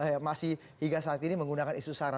yang masih hingga saat ini menggunakan isu sara